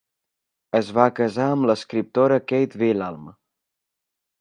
Es va casar amb l'escriptora Kate Wilhelm.